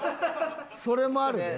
それもあるね。